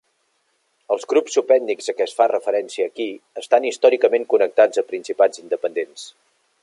Els grups subètnics a què es fa referència aquí estan històricament connectats a principats independents.